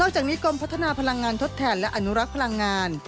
จากนี้กรมพัฒนาพลังงานทดแทนและอนุรักษ์พลังงาน